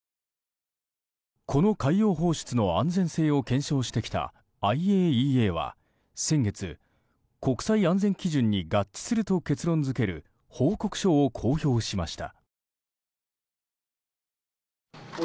この海洋放出の安全性を検証してきたＩＡＥＡは先月国際安全基準に合致すると結論付ける報告書を公表しました。